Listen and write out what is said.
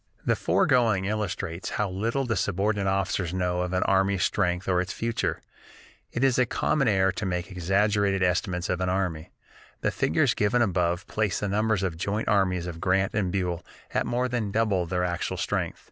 The foregoing illustrates how little the subordinate officers know of an army's strength or its future. It is a common error to make exaggerated estimates of an army. The figures given above place the numbers of the joint armies of Grant and Buell at more than double their actual strength.